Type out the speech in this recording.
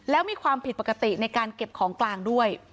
แล้วมีความผิดปกติในการเก็บของกลางด้วย